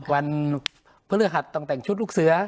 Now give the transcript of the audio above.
วันพฤหัสต้องแต่งชุดลูกเสือ